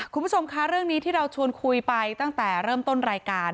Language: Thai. คุณผู้ชมคะเรื่องนี้ที่เราชวนคุยไปตั้งแต่เริ่มต้นรายการ